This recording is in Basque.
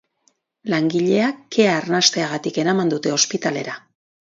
Langilea kea arnasteagatik eraman dute ospitalera.